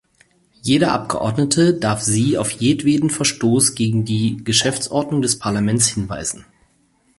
Jeder Abgeordnete darf Sie auf jedweden Verstoß gegen die Geschäftsordnung des Parlaments hinweisen.